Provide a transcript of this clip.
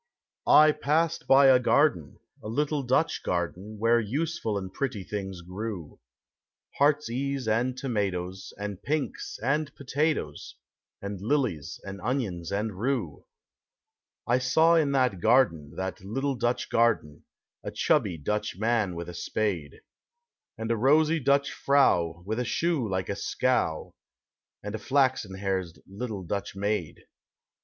I passed by a garden, a little Dutch garden. Where useful and pretty things grew, — lieart's case and tomatoes, and pinks and pota toes, And lilies and onions and rue. I saw in that garden, that little Dutch garden, A chubby Dutch man with a spade, And a rosy Dutch frau with a shoe like a scow. And a Haxen haired little Dutch maid.